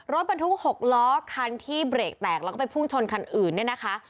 รถบรรทุก๖ล้อคันที่เบรกแตกแล้วก็ไปพุ่งชนคันอื่นเนี่ยนะคะ